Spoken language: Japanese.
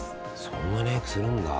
そんなに早くするんだ。